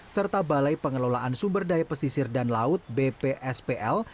serta balai pengelolaan sumber daya pesisir dan laut bpspl